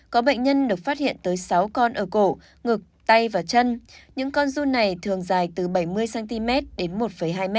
có bệnh nhân được phát hiện tới sáu con ở cổ ngực tay và chân những con run này thường dài từ bảy mươi cm đến một hai m